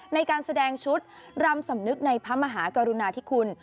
ในการแสดงชุดรำสำนึกในพระมหากรุณาธิคุณ